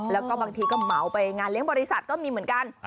แล้วก็บางทีก็เหมาไปงานเลี้ยงบริษัทก็มีเหมือนกัน